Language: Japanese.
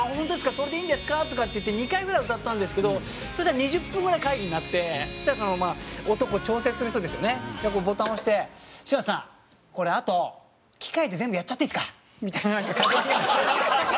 それでいいんですか？」とか言って２回ぐらい歌ったんですけどそしたら２０分ぐらい会議になってそしたら音を調整する人ですよねがこうボタンを押して「柴田さんこれあと機械で全部やっちゃっていいですか？」みたいな。